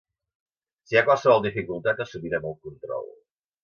Si hi ha qualsevol dificultat, assumirem el control.